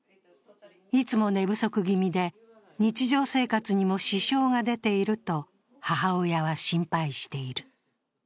いつも寝不足気味で日常生活にも支障が出ていると母親は心配している。